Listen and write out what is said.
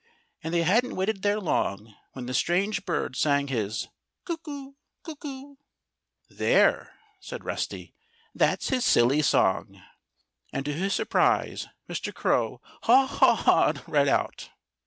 And they hadn't waited there long when the strange bird sang his "Cuckoo! cuckoo!" "There!" said Rusty. "That's his silly song!" And to his surprise Mr. Crow haw hawed right out.